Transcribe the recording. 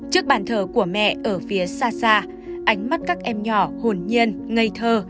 trước bàn thờ của mẹ ở phía xa xa ánh mắt các em nhỏ hồn nhiên ngây thơ